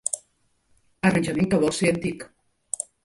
Arranjament que vol ésser antic.